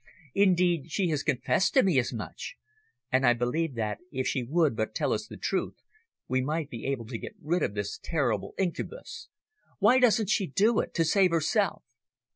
Indeed, she has confessed to me as much. And I believe that, if she would but tell us the truth, we might be able to get rid of this terrible incubus. Why doesn't she do it to save herself?"